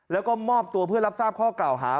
แล้วก็มอบตัวเพื่อรับทราบข้อกล่าวหา